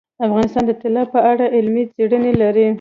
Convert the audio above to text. افغانستان د طلا په اړه علمي څېړنې لري.